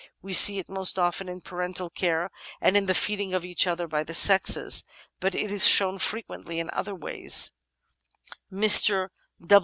We see it most often in parental care and in the feeding of each other by the sexes, but it is shown frequently in other ways. Mr.